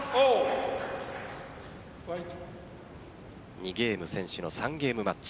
２ゲーム先取の３ゲームマッチ。